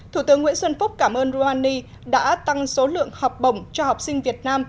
thủ tướng nguyễn xuân phúc cảm ơn romani đã tăng số lượng học bổng cho học sinh việt nam